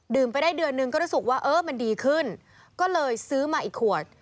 ไปได้เดือนนึงก็รู้สึกว่าเออมันดีขึ้นก็เลยซื้อมาอีกขวด